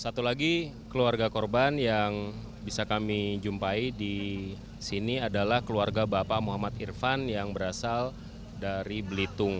satu lagi keluarga korban yang bisa kami jumpai di sini adalah keluarga bapak muhammad irfan yang berasal dari belitung